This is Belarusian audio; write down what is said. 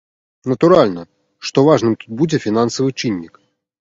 Натуральна, што важным тут будзе фінансавы чыннік.